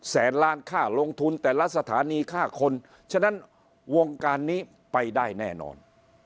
แสนล้านค่าลงทุนแต่ละสถานีค่าคนฉะนั้นวงการนี้ไปได้แน่นอน